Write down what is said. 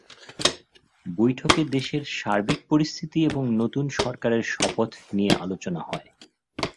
বৈঠকে দেশের সার্বিক পরিস্থিতি এবং নতুন সরকারের শপথ নিয়ে আলোচনা হয়।